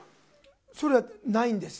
それはないんです。